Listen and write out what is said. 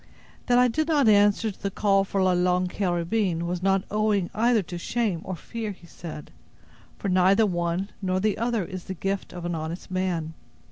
"That I did not answer to the call for La Longue Carabine, was not owing either to shame or fear," he said, "for neither one nor the other is the gift of an honest man.